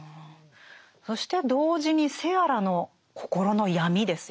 そして同時にセアラの心の闇ですよね。